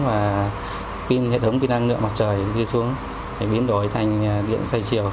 và pin hệ thống pin năng lượng mặt trời khi xuống để biến đổi thành điện xoay chiều